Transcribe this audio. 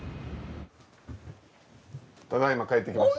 ただいま帰ってきました。